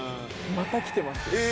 またきてます。